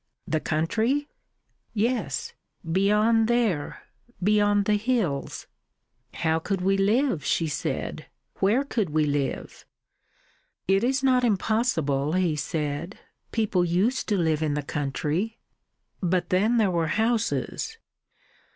"The country?" "Yes beyond there. Beyond the hills." "How could we live?" she said. "Where could we live?" "It is not impossible," he said. "People used to live in the country." "But then there were houses."